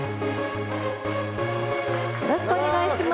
よろしくお願いします。